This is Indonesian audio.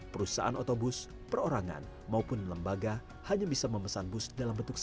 perusahaan otobus perorangan maupun lembaga hanya bisa memesan bus dalam bentuk